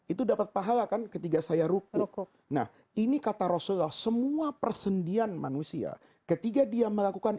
itu dapat pahala kan ketika saya rukuh nah ini kata rasulullah semua persendian manusia ketika dia melakukan